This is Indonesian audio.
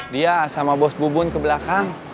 dia sama bos bubun ke belakang